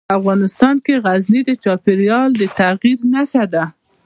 افغانستان کې غزني د چاپېریال د تغیر نښه ده.